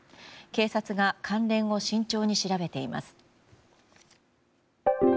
警察が関連を慎重に調べています。